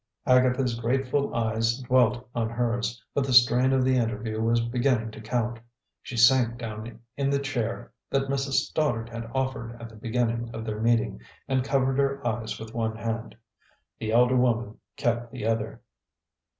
Agatha's grateful eyes dwelt on hers, but the strain of the interview was beginning to count. She sank down in the chair that Mrs. Stoddard had offered at the beginning of their meeting, and covered her eyes with one hand. The elder woman kept the other.